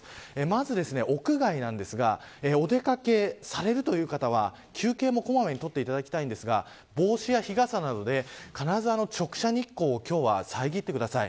まず屋外ですがお出掛けされるという方は休憩も小まめに取っていただきたいんですが帽子や日傘などで必ず直射日光を今日は遮ってください。